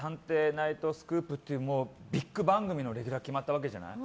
ナイトスクープ」というビッグ番組のレギュラー決まったわけじゃない。